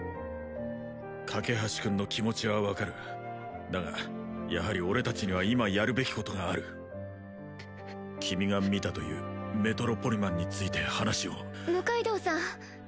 架橋君の気持ちは分かるだがやはり俺達には今やるべきことがある君が見たというメトロポリマンについて話を六階堂さん